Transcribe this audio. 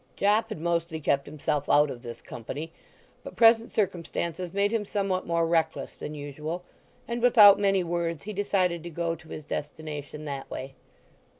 Jopp had mostly kept himself out of this company, but present circumstances made him somewhat more reckless than usual, and without many words he decided to go to his destination that way.